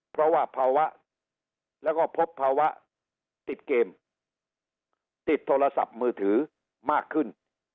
เพราะว่าภาวะแล้วก็พบภาวะติดเกมติดโทรศัพท์มือถือมากขึ้น